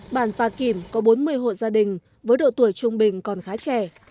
bản pha kìm có bốn mươi hộ gia đình với độ tuổi trung bình còn khá trẻ